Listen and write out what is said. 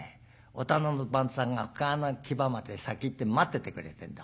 お店の番頭さんが深川の木場まで先行って待っててくれてんだ。